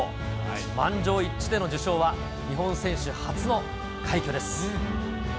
満場一致での受賞は日本選手初の快挙です。